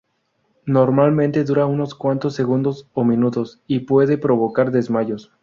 Normalmente dura unos cuantos segundos o minutos y puede provocar desmayos.